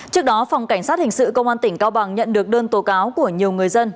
trước đó phòng cảnh sát hình sự công an tỉnh cao bằng nhận được đơn tố cáo của nhiều người dân